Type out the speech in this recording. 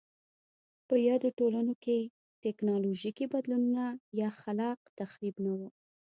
په یادو ټولنو کې ټکنالوژیکي بدلونونه یا خلاق تخریب نه و